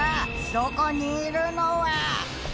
そこにいるのは。